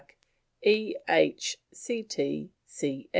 E.H., C.